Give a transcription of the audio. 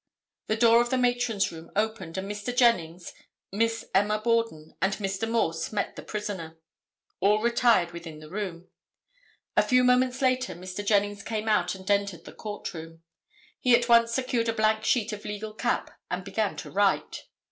The door of the matron's room opened and Mr. Jennings, Miss Emma Borden and Mr. Morse met the prisoner. All retired within the room. A few moments later Mr. Jennings came out and entered the court room. He at once secured a blank sheet of legal cap and began to write.